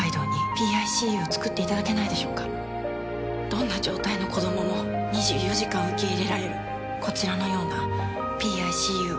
どんな状態の子供も２４時間受け入れられるこちらのようなＰＩＣＵを。